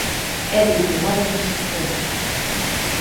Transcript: É diplomada en Maxisterio.